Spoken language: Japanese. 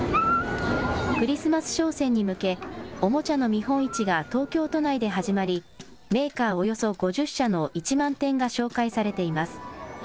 クリスマス商戦に向け、おもちゃの見本市が東京都内で始まり、メーカーおよそ５０社の１万点が紹介されています。